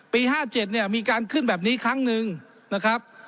ปีห้าเจ็ดเนี้ยมีการขึ้นแบบนี้ครั้งหนึ่งนะครับ